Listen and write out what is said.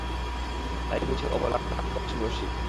তাই বুঝি অবলাকান্তবাবু কিছু– রসিক।